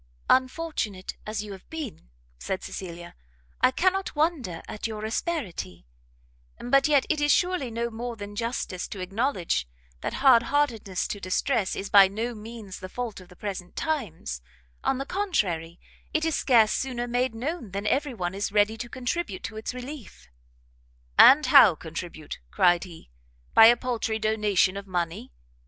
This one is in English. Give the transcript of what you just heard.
"Unfortunate as you have been," said Cecilia, "I cannot wonder at your asperity; but yet, it is surely no more than justice to acknowledge, that hard heartedness to distress is by no means the fault of the present times: on the contrary, it is scarce sooner made known, than every one is ready to contribute to its relief." "And how contribute?" cried he, "by a paltry donation of money?